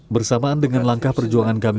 bersamaan dengan langkah perjuangan kami